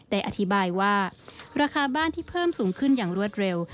อธิบายว่าราคาบ้านที่เพิ่มสูงขึ้นอย่างรวดเร็ว